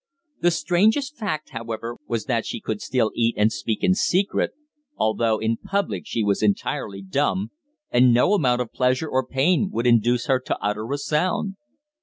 The strangest fact, however, was that she could still eat and speak in secret, although in public she was entirely dumb, and no amount of pleasure or pain would induce her to utter a sound.